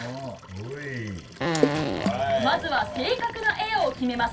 まずは正確なエアを決めます。